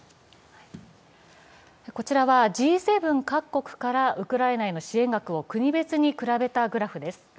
こちらはＧ７各国からウクライナへの支援額を国別に比べたグラフです。